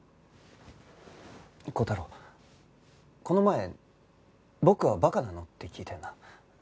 この前「僕はバカなの？」って聞いたよな。